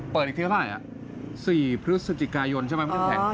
เปิดอีกทีกว่าไหนอ่ะสี่พฤศจิกายนใช่ไหมอ๋อใช่